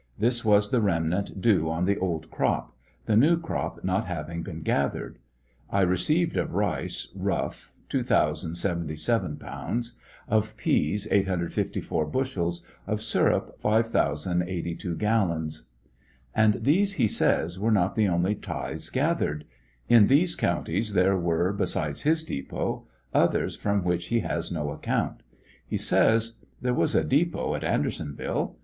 This was the remnant due on the old crop, the new crop not having been gathered. I received of rice, (rough,) 2,077 pounds ; of peas, 854 bushels ; of sirup, 5,082 gallons. And these, he says, were not the only tithes gathered. In these counties there were, besides his depot, others from which he has no account. He says : There was a depot at Andersonville.